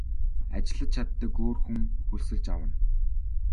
Ажиллаж чаддаг өөр хүн хөлсөлж авна.